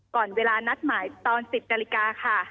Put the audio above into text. ก่อนเวลานัดหมายตอน๑๐นาฬิกาค่ะ